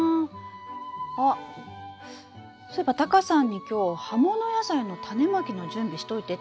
あそういえばタカさんに今日葉物野菜のタネまきの準備しといてって言われたんだ。